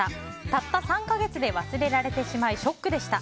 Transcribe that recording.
たった３か月で忘れられてしまいショックでした。